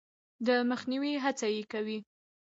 د مخنیوي هڅه یې کوي.